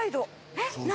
えっ何？